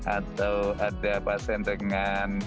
atau ada pasien dengan